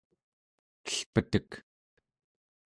elpetek